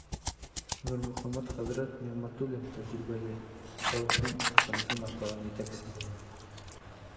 — Нурмөхәмәт хәҙрәт Ниғмәтуллин — тәжрибәле, халыҡтың ышанысын аҡлаған етәксе.